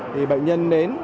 thì bệnh nhân đến